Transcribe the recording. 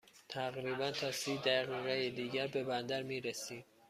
تقریباً تا سی دقیقه دیگر به بندر می رسیم.